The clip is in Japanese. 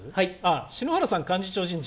篠原さん、幹事長人事